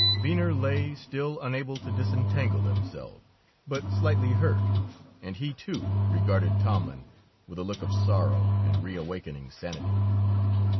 Venner lay, still unable to disentangle himself, but slightly hurt, and he, too, regarded Tomlin with a look of sorrow and reawakening sanity.